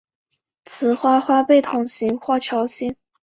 雌花花被筒形或球形。